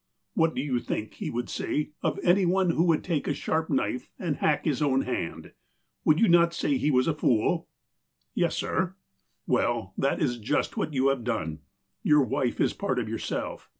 "What would you think," he would say, "of any one who would take a sharp knife and hack his own hand ? "Would you not say he was a fool 1 "" Yes, sir." " Well, that is just what you have done. Your wife is part of yourself.